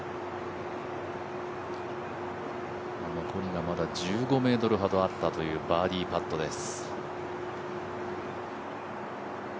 残りがまだ１５ｍほどあったというバーディーパットです。